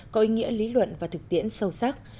có ý nghĩa lý luận và thực tiễn sâu sắc